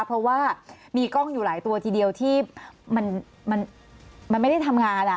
เพราะว่ามีกล้องอยู่หลายตัวทีเดียวที่มันไม่ได้ทำงาน